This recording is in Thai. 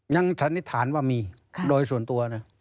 ยังธรรมนิษฐานว่ามีโดยส่วนตัวเนี่ย